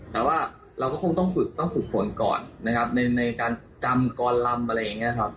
แต่ว่าเราก็คงต้องฝึกต้องฝึกฝนก่อนนะครับในการกำกรลำอะไรอย่างนี้ครับ